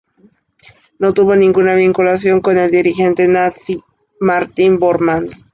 No tuvo ninguna vinculación con el dirigente nazi Martin Bormann.